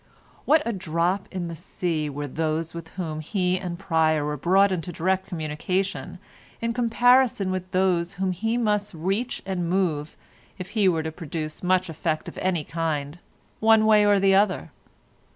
What a drop in the sea were those with whom he and Pryer were brought into direct communication in comparison with those whom he must reach and move if he were to produce much effect of any kind, one way or the other.